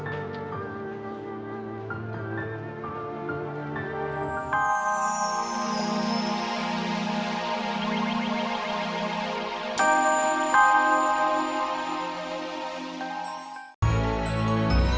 ibu sayang banget sama leah